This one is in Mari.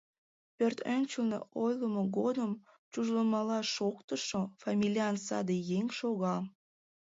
Пӧртӧнчылнӧ ойлымо годым чужлымыла шоктышо фамилиян саде еҥ шога.